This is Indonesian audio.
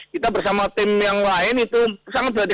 kita bersama tim yang lain itu sangat berhati hati